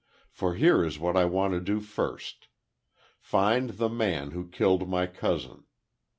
For, here is what I want to do first. Find the man who killed my cousin.